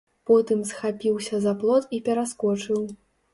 Потым схапіўся за плот і пераскочыў.